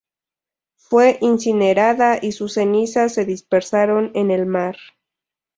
Fue incinerada y sus cenizas se dispersaron en el mar.